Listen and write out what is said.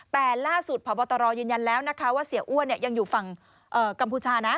แต่ล่าสุดพบตรยืนยันแล้วนะคะว่าเสียอ้วนยังอยู่ฝั่งกัมพูชานะ